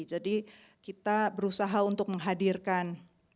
jadi kita berusaha untuk menghadirkan